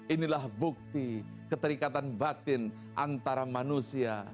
inilah bukti keterikatan batin antara manusia